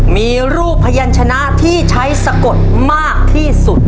มีรูปพยานชนะที่ใช้สะกดมากที่สุด